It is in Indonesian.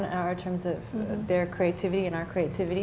dalam kategori kreativitas mereka dan kita